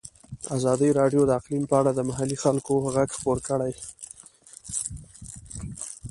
ازادي راډیو د اقلیم په اړه د محلي خلکو غږ خپور کړی.